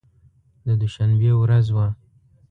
د دوشنبې ورځ وه.